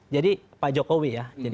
jadi pak jokowi ya